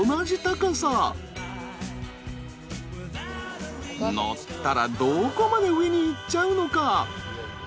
乗ったらどこまで上に行っちゃうのか。